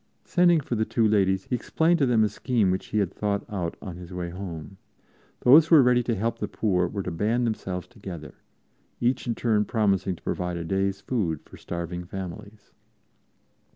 Sending for the two ladies, he explained to them a scheme which he had thought out on his way home. Those who were ready to help the poor were to band themselves together, each in turn promising to provide a day's food for starving families.